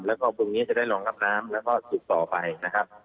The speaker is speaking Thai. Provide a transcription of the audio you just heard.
แล้วก็พรุ่งนี้จะได้รองรับน้ำแล้วก็สุกต่อไปนะครับ